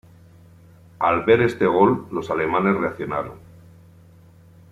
Al ver este gol los alemanes reaccionaron.